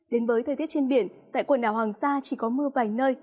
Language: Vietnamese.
đến với thời tiết trên biển tại quần đảo hoàng sa chỉ có mưa vài nơi